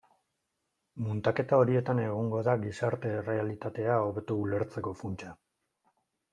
Muntaketa horietan egongo da gizarte errealitatea hobeto ulertzeko funtsa.